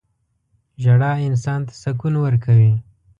• ژړا انسان ته سکون ورکوي.